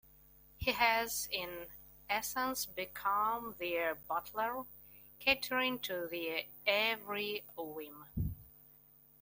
He has in essence become their butler, catering to their every whim.